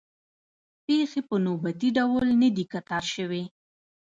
پېښې په نوبتي ډول نه دي قطار شوې.